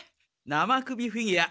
生首フィギュア。